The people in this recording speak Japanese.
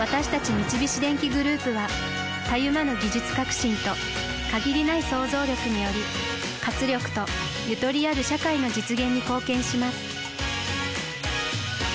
三菱電機グループはたゆまぬ技術革新と限りない創造力により活力とゆとりある社会の実現に貢献します